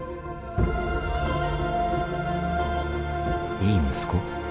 「いい息子」？